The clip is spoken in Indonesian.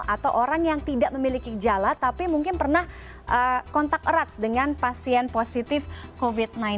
atau orang yang tidak memiliki gejala tapi mungkin pernah kontak erat dengan pasien positif covid sembilan belas